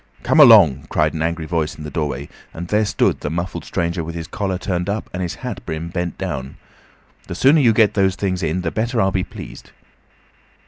"Come along," cried an angry voice in the doorway, and there stood the muffled stranger with his collar turned up, and his hat brim bent down. "The sooner you get those things in the better I'll be pleased."